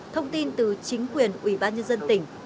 thông tin từ chính quyền ubnd tỉnh